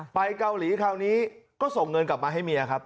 ไปเกาหลีคราวนี้ก็ส่งเงินกลับมาให้เมียครับ